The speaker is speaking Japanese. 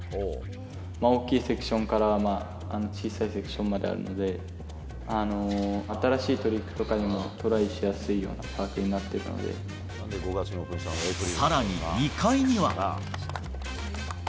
大きいセクションから小さいセクションまであるんで、新しいトリックとかにもトライしやすいようなパークになっているさらに２階には。